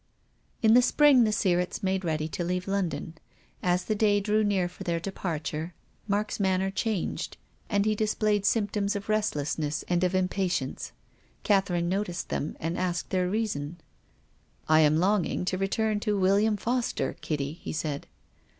In the spring the Sirretts made ready to leave London. As the day drew near for their de parture Mark's manner changed, and he dis played symptoms of restlessness and of impa tience. Catherine noticed them and asked their reason. "I am longing to return to ' William Foster,* Kitty," he said.